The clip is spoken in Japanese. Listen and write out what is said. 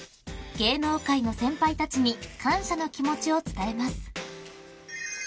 ［芸能界の先輩たちに感謝の気持ちを伝えます］